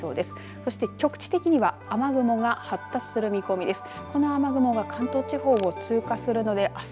そして局地的には雨雲が発達する見込みです。